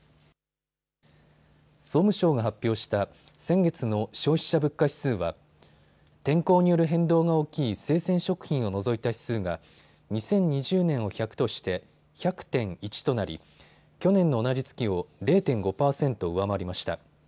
総務省が発表した先月の消費者物価指数は天候による変動が大きい生鮮食品を除いた指数が２０２０年を１００として１００．１となり去年の同じ月を０．５％上回りました。